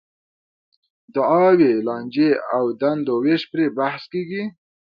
دعاوې، لانجې او دندو وېش پرې بحث کېږي.